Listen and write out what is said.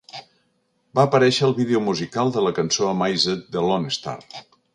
Va aparèixer al vídeo musical de la cançó Amazed de Lonestar.